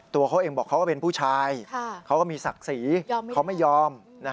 ตัวเขาเองบอกเขาก็เป็นผู้ชายเขาก็มีศักดิ์ศรีเขาไม่ยอม